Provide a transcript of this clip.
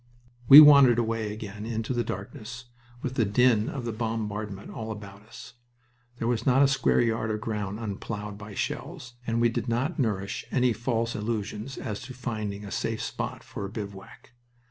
We wandered away again into the darkness, with the din of the bombardment all about us. There was not a square yard of ground unplowed by shells and we did not nourish any false illusions as to finding a safe spot for a bivouac.